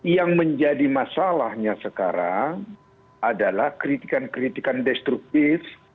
yang menjadi masalahnya sekarang adalah kritikan kritikan destruktif